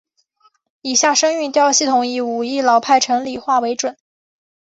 以下声韵调系统以武义老派城里话为准。